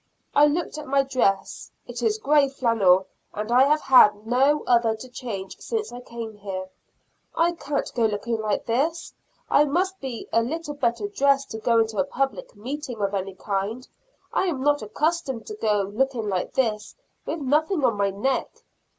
I looked at my dress (it is grey flannel, and I have had no other to change since I came here), "I can't go looking like this; I must be a little better dressed to go into a public meeting of any kind; I am not accustomed to go looking like this, with nothing on my neck."